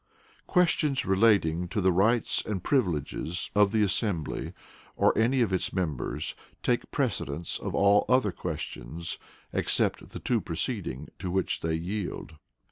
Questions relating to the rights and privileges of the assembly, or any of its members, take precedence of all other questions, except the two preceding, to which they yield.